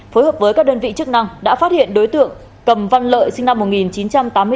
phối hợp với các đơn vị chức năng đã phát hiện đối tượng cầm văn lợi sinh năm một nghìn chín trăm tám mươi bốn